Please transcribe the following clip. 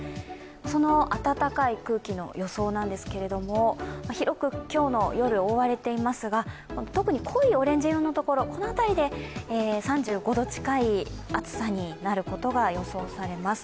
その暖かい空気の予想なんですけども、広く今日の夜、覆われていますが特に濃いオレンジ色のところ、このあたりで３５度近い暑さになることが予想されます。